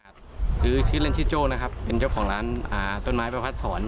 คือชื่อเล่นชื่อโจ้นะครับเป็นเจ้าของร้านต้นไม้ประพัดศร